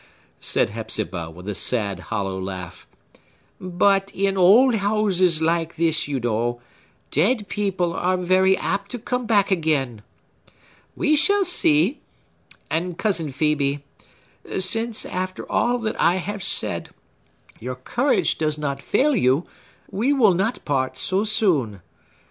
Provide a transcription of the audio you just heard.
said Hepzibah with a sad, hollow laugh; "but, in old houses like this, you know, dead people are very apt to come back again! We shall see. And, Cousin Phœbe, since, after all that I have said, your courage does not fail you, we will not part so soon.